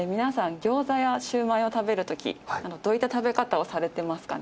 ギョーザやシューマイを食べる時どういった食べ方をされてますかね？